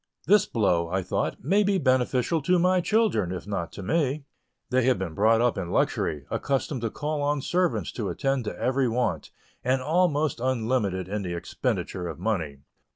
"This blow," I thought "may be beneficial to my children, if not to me." They had been brought up in luxury; accustomed to call on servants to attend to every want; and almost unlimited in the expenditure of money.